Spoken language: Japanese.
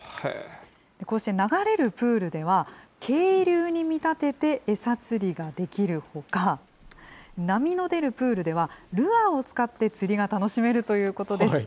こうして流れるプールでは、渓流に見立てて餌釣りができるほか、波のでるプールではルアーを使って釣りが楽しめるということです。